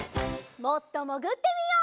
もっともぐってみよう。